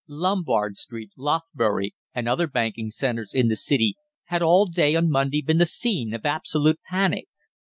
Lombard Street, Lothbury, and other banking centres in the City had all day on Monday been the scene of absolute panic.